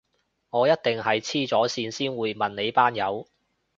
我一定係痴咗線先會問你班友